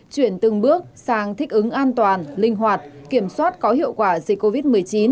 chuyển từng bước sang thích ứng an toàn linh hoạt kiểm soát có hiệu quả dịch covid một mươi chín